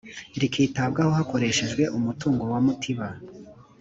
rikitabwaho hakoreshejwe umutungo wa mutiba